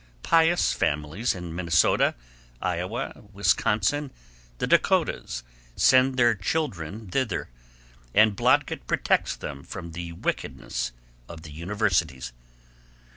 Pious families in Minnesota, Iowa, Wisconsin, the Dakotas send their children thither, and Blodgett protects them from the wickedness of the universities.